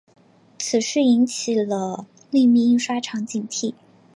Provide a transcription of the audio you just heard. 此事引起了秘密印刷厂警惕。